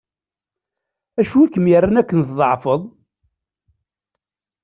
Acu i kem-yerran akken tḍeεfeḍ?